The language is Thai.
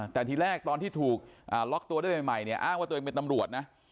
แต่ทีแรกตอนที่ถูกล็อกตัวได้ใหม่เนี่ยอ้างว่าตัวเองเป็นตำรวจนะ